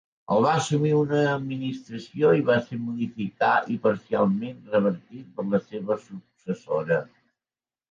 El va assumir una administració i va ser modificar i parcialment revertit per la seva successora.